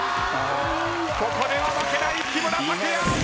ここでは負けない木村拓哉！